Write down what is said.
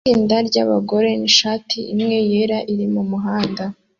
Itsinda ryabagore nishati imwe yera iri mumuhanda